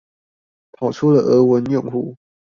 跑出了俄文用戶